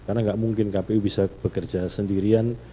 karena nggak mungkin kpu bisa bekerja sendirian